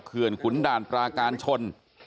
เขื่อนขุนด่านปลาการชน